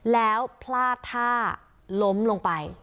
แล้วพลาดท่าล้มลงไป